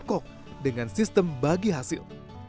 tanah bangkok dengan sistem bagi hasil